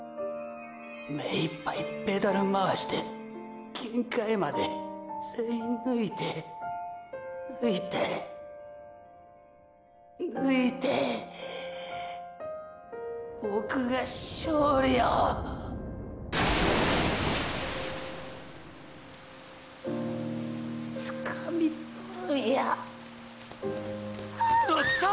めいっぱいペダル回して限界まで全員抜いて抜いて抜いてボクゥが勝利をーーつかみとるんやあぁっ！！